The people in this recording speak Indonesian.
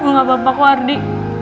gue gak bapak gue ardi